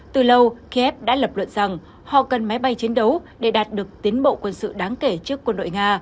từ lâu kiev đã lập luận rằng họ cần máy bay chiến đấu để đạt được tiến bộ quân sự đáng kể trước quân đội nga